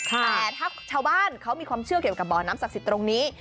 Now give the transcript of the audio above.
แต่ถ้าชาวบ้านเขามีความเชื่อเกี่ยวกับบ่อน้ำศักดิ์สิทธิ์ตรงนี้